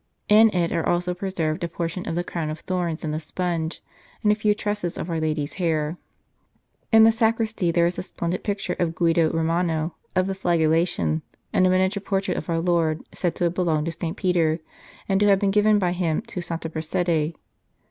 In it are also preserved a portion of the Crown of Thorns and the Sponge, and a few tresses of our Lady s hair. In the sacristy there is a splendid picture by Guido Romano of the Flagellation, and a miniature portrait of our Lord, said to have belonged to St. Peter, and to have been given by him to Santa Prassede.